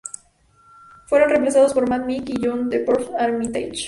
Fueron reemplazados por Mad Mick y John "Deptford" Armitage.